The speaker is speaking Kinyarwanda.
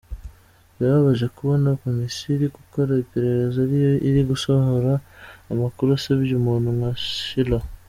Birababaje kubona Komisiyo iri gukora iperereza ariyo iri gusohora amakuru asebya umuntu nka Schiller.